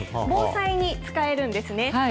防災に使えるんですね。